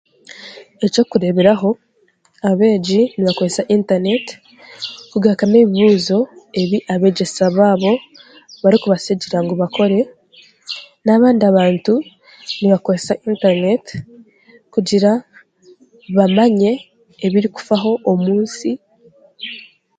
Ekyokureeberaho abeegi nibakoresa intaneti kugarukamu ebibuuzo ebi abeegyesa baabo barikubasigira ngu bakore n'abandi bantu nibakozesa intaneeti kugira bamanye ebirikufaho omu nsi